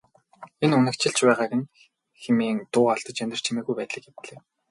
Энэ үнэгчилж байгааг нь хэмээн дуу алдаж анир чимээгүй байдлыг эвдлээ.